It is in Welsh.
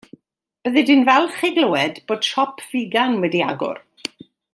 Byddi di'n falch i glywed bod siop figan wedi agor.